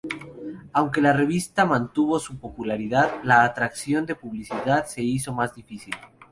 Aunque la revista mantuvo su popularidad, la atracción de publicidad se hizo más difícil.